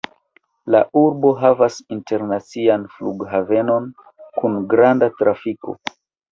La urbo havas internacian flughavenon kun granda trafiko.